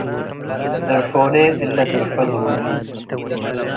“ድርፎሌ፤ እለ ድርፎ ድሩፊት፣